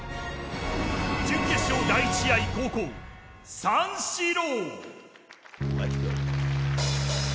準決勝第１試合、後攻三四郎。